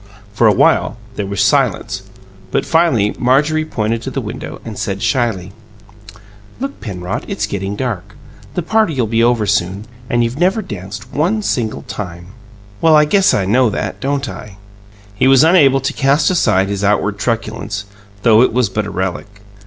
For a while there was silence; but finally Marjorie pointed to the window and said shyly: "Look, Penrod, it's getting dark. The party'll be over pretty soon, and you've never danced one single time!" "Well, I guess I know that, don't I?" He was unable to cast aside his outward truculence though it was but a relic.